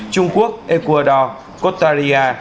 trung quốc ecuador cotaria